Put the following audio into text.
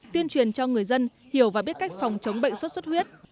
tuyên truyền cho người dân hiểu và biết cách phòng chống bệnh xuất xuất huyết